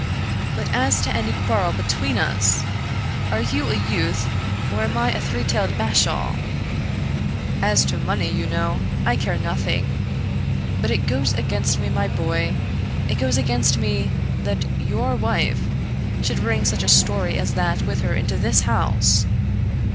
But as to any quarrel between us! Are you a youth, or am I a three tailed bashaw? As to money, you know, I care nothing. But it goes against me, my boy, it goes against me, that your wife should bring such a story as that with her into this house!"